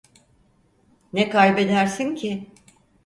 Ne kaybedersin ki?